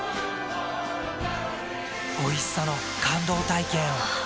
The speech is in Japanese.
おいしさの感動体験を。